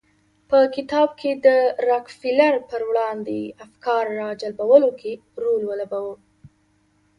په کتاب کې د راکفیلر پر وړاندې افکار راجلبولو کې رول ولوباوه.